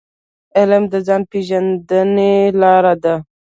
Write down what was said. علم د ځان پېژندني لار ده.